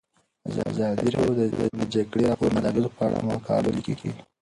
ازادي راډیو د د جګړې راپورونه د اغیزو په اړه مقالو لیکلي.